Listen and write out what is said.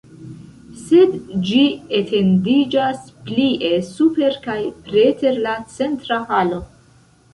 Sed ĝi etendiĝas plie super kaj preter la centra halo.